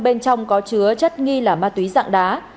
bên trong có chứa chất nghi là ma túy dạng đá